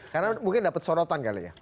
karena mungkin dapat sorotan kali ya